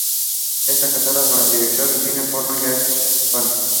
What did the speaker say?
Esta casada con el director de cine porno Jack Kona.